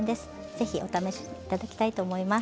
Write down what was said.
ぜひお試し頂きたいと思います。